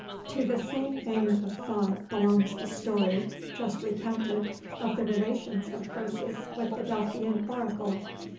To the same vein of thought belongs the story, just recounted, of the relations of Croesus with the Delphian oracle.